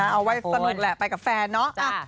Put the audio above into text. เอาไว้สนุกแหละไปกับแฟนเนาะ